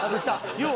［よう